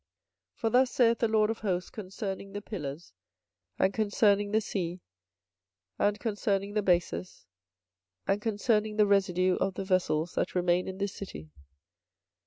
24:027:019 For thus saith the LORD of hosts concerning the pillars, and concerning the sea, and concerning the bases, and concerning the residue of the vessels that remain in this city.